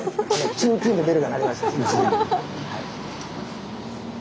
チンチンとベルが鳴りました。